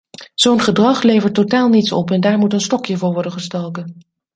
Zo'n gedrag levert totaal niets op en daar moet een stokje voor worden gestoken.